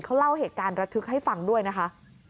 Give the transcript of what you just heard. เขาเล่าเหตุการณ์ระทึกให้ฟังด้วยนะคะ